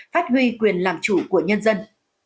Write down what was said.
phát huy quyền làm chủ của nhân dân